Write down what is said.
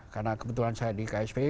karena kebetulan saya di ksp